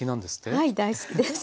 はい大好きです。